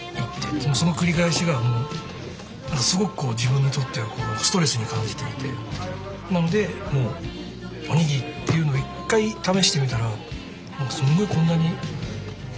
その繰り返しがもうすごく自分にとってはストレスに感じていてなのでもうおにぎりっていうのを一回試してみたらすごいこんなにいい便利だとか思って。